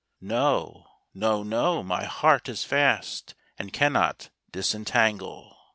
No, no, no, my heart is fast And cannot disentangle.